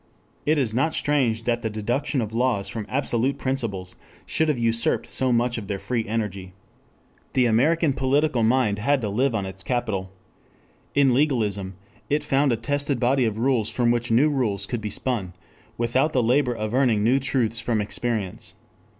It is not strange that the deduction of laws from absolute principles should have usurped so much of their free energy. The American political mind had to live on its capital. In legalism it found a tested body of rules from which new rules could be spun without the labor of earning new truths from experience.